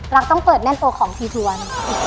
ต้องเปิดแน่นโอของทีทวน